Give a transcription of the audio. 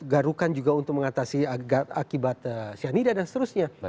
garukan juga untuk mengatasi akibat cyanida dan seterusnya